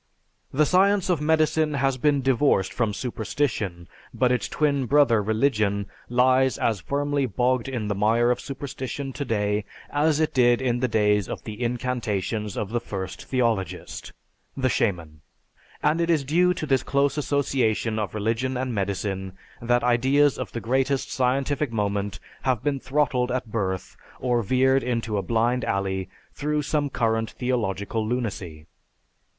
The science of medicine has been divorced from superstition, but its twin brother religion lies as firmly bogged in the mire of superstition today as it did in the days of the incantations of the first theologist, the "shaman." And it is due to this close association of religion and medicine that ideas of the greatest scientific moment have been throttled at birth or veered into a blind alley through some current theological lunacy.